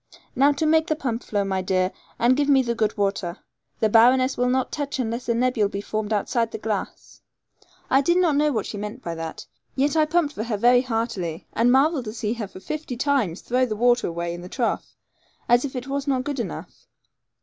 Now make the pump to flow, my dear, and give me the good water. The baroness will not touch unless a nebule be formed outside the glass.' I did not know what she meant by that; yet I pumped for her very heartily, and marvelled to see her for fifty times throw the water away in the trough, as if it was not good enough.